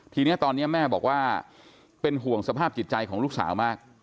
ทีนี้ตอนนี้แม่บอกว่าเป็นห่วงสภาพจิตใจของลูกสาวมาก